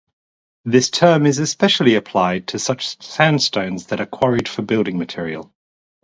This term is especially applied to such sandstones that are quarried for building material.